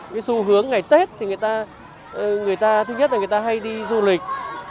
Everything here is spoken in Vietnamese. cái xu hướng ngày tết thì người ta thứ nhất là người ta hay đi du lịch